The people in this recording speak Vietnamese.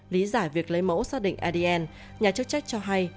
lý giải việc lấy mẫu xác định adn nhà chức trách cho hay